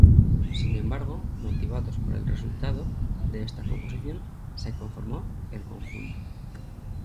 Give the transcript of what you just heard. Sin embargo, motivados por el resultado de esta composición, se conformó el conjunto.